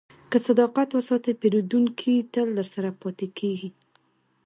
که صداقت وساتې، پیرودونکی تل درسره پاتې کېږي.